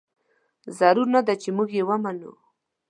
ضرور نه ده چې موږ یې ومنو.